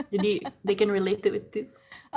jadi mereka bisa menghubungi dengan saya juga